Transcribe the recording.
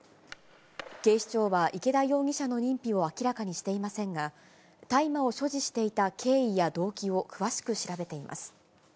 警視庁は池田容疑者の認否を明らかにしていませんが、大麻を所持していた経緯や動機を詳しく調べています。